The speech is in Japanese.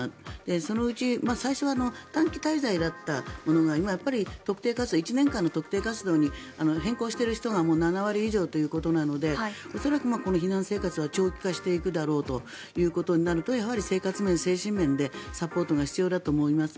そのうち短期滞在だったものが１年間の特定活動に変更している人が７割以上ということなので恐らくこの避難生活は長期化していくだろうとなるとやはり生活面、精神面でサポートが必要だと思います。